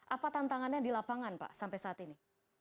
apa tantangannya di lapangan pak sampai saat ini